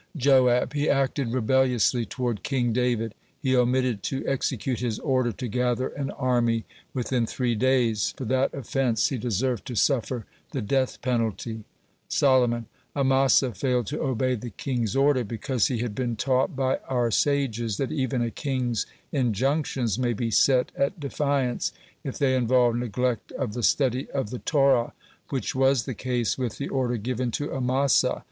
Joab: "He acted rebelliously toward King David. He omitted to execute his order to gather an army within three days; for that offense he deserved to suffer the death penalty." Solomon: "Amasa failed to obey the king's order, because he had been taught by our sages that even a king's injunctions may be set at defiance if they involve neglect of the study of the Torah, which was the case with the order given to Amasa.